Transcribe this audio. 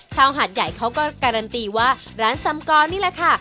หาดใหญ่เขาก็การันตีว่าร้านซำกรนี่แหละค่ะ